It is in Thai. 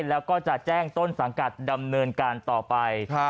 แล้วก็จะแจ้งต้นสังกัดดำเนินการต่อไป